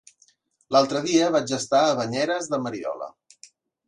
L'altre dia vaig estar a Banyeres de Mariola.